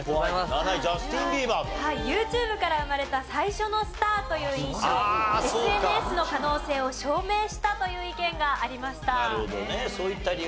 ＹｏｕＴｕｂｅから生まれた最初のスターという印象ＳＮＳの可能性を証明したという意見がありました。